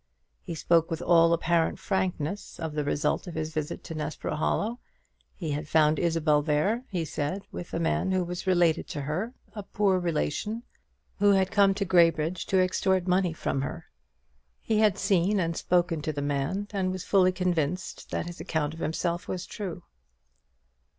He spoke with all apparent frankness of the result of his visit to Nessborough Hollow. He had found Isabel there, he said, with a man who was related to her, a poor relation, who had come to Graybridge to extort money from her. He had seen and spoken to the man, and was fully convinced that his account of himself was true.